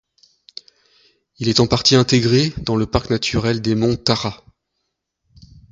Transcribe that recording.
Il est en partie intégré dans le parc naturel des monts Tara.